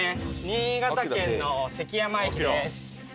新潟県の関山駅です。